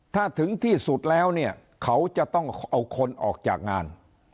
ถ้าถึงที่สุดแล้วเนี่ยเขาจะต้องเอาคนออกจากงาน